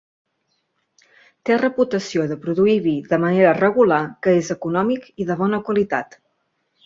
Té reputació de produir vi de manera regular que és econòmic i de bona qualitat.